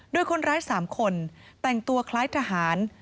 โดยคนร้าย๓คนแต่งตัวคล้ายทหาร